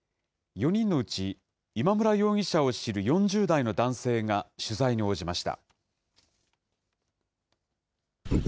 ４人のうち、今村容疑者を知る４０代の男性が取材に応じました。